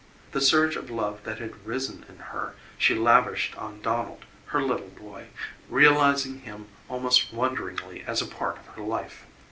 The surge of love that had risen in her she lavished on Donald, her little boy, realizing him almost wonderingly as a part of her life.